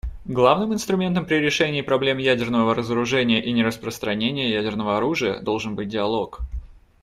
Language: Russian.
Главным инструментом при решении проблем ядерного разоружения и нераспространения ядерного оружия должен быть диалог.